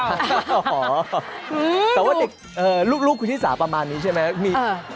สมมติว่าเจ็บลูกกลุ่มที่สาประมาฆใช่ไม่